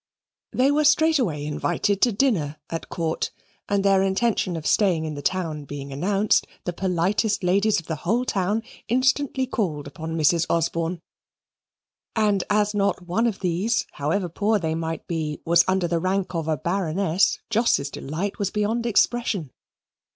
They were straightway invited to dinner at Court, and their intention of staying in the town being announced, the politest ladies of the whole town instantly called upon Mrs. Osborne; and as not one of these, however poor they might be, was under the rank of a Baroness, Jos's delight was beyond expression.